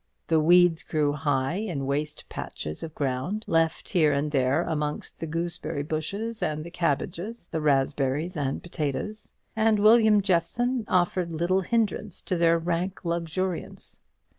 The weeds grew high in waste patches of ground, left here and there amongst the gooseberry bushes and the cabbages, the raspberries and potatoes; and William Jeffson offered little hindrance to their rank luxuriance.